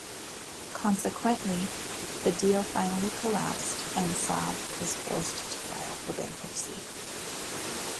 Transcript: Consequently, the deal finally collapsed and Saab was forced to file for bankruptcy.